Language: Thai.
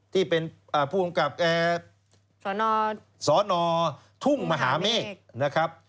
ที่เป็นผู้กำกับสนทุ่งมหาเมฆนะครับ